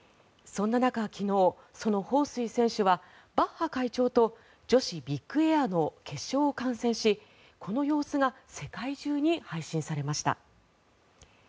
そんな中、昨日そのホウ・スイ選手はバッハ会長と女子ビッグエアの決勝を観戦しこの様子が世界中に配信されました。